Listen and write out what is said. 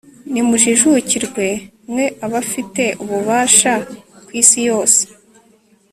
nimujijukirwe, mwe abafite ububasha ku isi yose